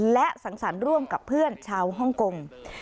และสังสรรค์ร่วมกับเพื่อนชาวฮ่องกง